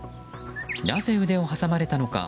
なぜ腕を挟まれたのか。